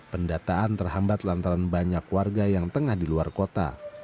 pendataan terhambat lantaran banyak warga yang tengah di luar kota